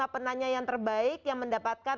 penanya yang terbaik yang mendapatkan